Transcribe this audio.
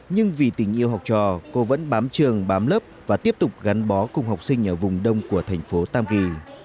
nhưng vì tình yêu học trò cô vẫn bám trường bám lớp và tiếp tục gắn bó cùng học sinh ở vùng đông của thành phố tam kỳ